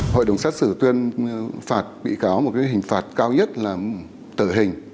hội đồng xét xử tuyên phạt bị cáo một cái hình phạt cao nhất là tử hình